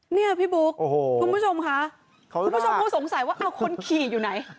เนี่ยพี่บุ๊คคุณผู้ชมค่ะคุณผู้ชมคงสงสัยว่าคนขี่อยู่ไหน